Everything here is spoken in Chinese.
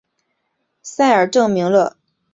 塞尔证明了这个定理的代数版本。